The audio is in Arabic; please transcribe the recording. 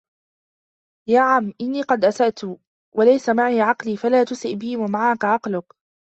يَا عَمِّ إنِّي قَدْ أَسَأْت وَلَيْسَ مَعِي عَقْلِي فَلَا تُسِئْ بِي وَمَعَك عَقْلُك